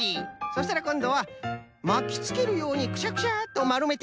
そしたらこんどはまきつけるようにクシャクシャッとまるめていくんじゃ。